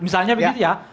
misalnya begitu ya